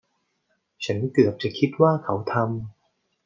ฉันเกือบจะคิดว่าเขาทำ